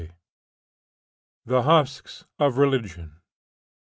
THE HUSKS OF RELIGION.